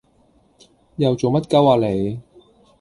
又做乜鳩呀你？